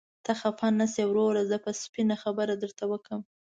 ته خفه نشې وروره، زه به سپينه خبره درته وکړم.